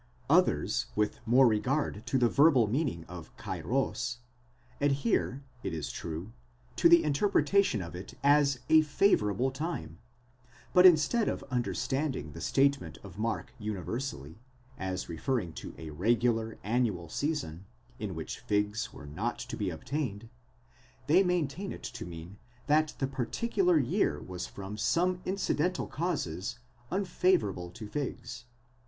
Others with more regard to the verbal meaning of καιρὸς, adhere it is 'true to the interpretation of it as favouradle time, but instead of understanding the statement of Mark universally, as referring to a regular, annual season, in which figs were not to be obtained, they maintain it to mean that that par ticular year was from some incidental causes unfavourable to figs.